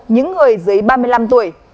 những người dưới ba mươi năm tuổi